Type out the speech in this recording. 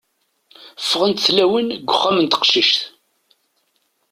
Ffɣent tlawin g uxxam n teqcict.